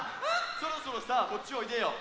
そろそろさこっちおいでよ。